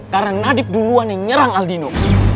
karena nadif duluan yang nyerang aldino